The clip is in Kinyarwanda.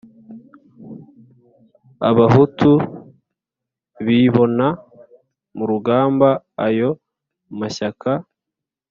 Abahutu bibona mu rugamba ayo mashyaka